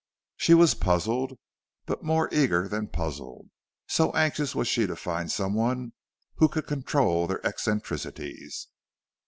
She was puzzled, but more eager than puzzled, so anxious was she to find some one who could control their eccentricities.